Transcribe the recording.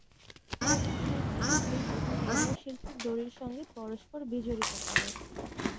প্রতিটি নৃত্যশিল্পী তখন অন্য শিল্পীর দড়ির সঙ্গে পরস্পর বিজড়িত করে।